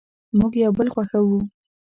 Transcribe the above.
مونږ یو بل خوښوو